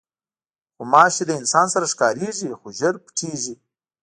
غوماشې له انسان سره ښکارېږي، خو ژر پټېږي.